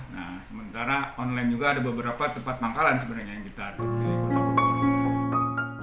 nah sementara online juga ada beberapa tempat pangkalan sebenarnya yang kita atur